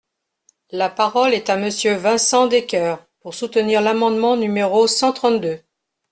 La parole est à Monsieur Vincent Descoeur, pour soutenir l’amendement numéro cent trente-deux.